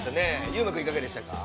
優馬君、いかがでしたか。